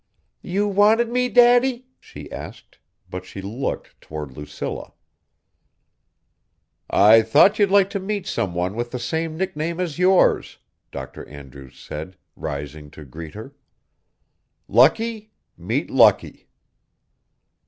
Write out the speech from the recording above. "You wanted me, Daddy?" she asked, but she looked toward Lucilla. "I thought you'd like to meet someone with the same nickname as yours," Dr. Andrews said, rising to greet her. "Lucky, meet Lucky."